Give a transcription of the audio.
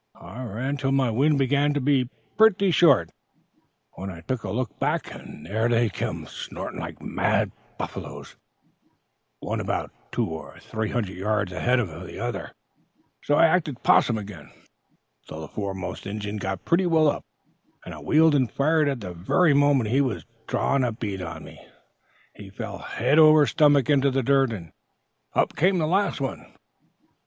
I ran till my wind began to be pretty short, when I took a look back, and there they came, snorting like mad buffaloes, one about two or three hundred yards ahead of the other: so I acted possum again until the foremost Injin got pretty well up, and I wheeled and fired at the very moment he was 'drawing a bead' on me: he fell head over stomach into the dirt, and up came the last one!"